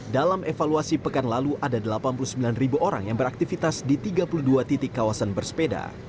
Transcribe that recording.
dalam evaluasi pekan lalu ada delapan puluh sembilan orang yang beraktivitas di tiga puluh dua titik kawasan bersepeda